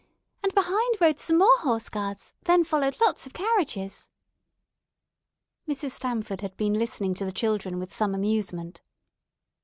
And behind rode some more Horse Guards; then followed lots of carriages." Mrs. Stamford had been listening to the children with some amusement.